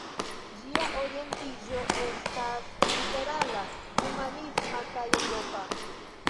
Ĝia orientiĝo estas liberala, humanisma kaj eŭropa.